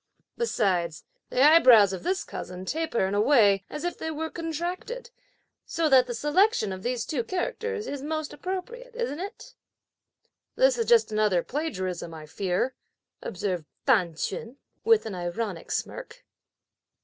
Besides the eyebrows of this cousin taper in a way, as if they were contracted, so that the selection of these two characters is most appropriate, isn't it?" "This is just another plagiarism, I fear," observed T'an Ch'un, with an ironic smirk.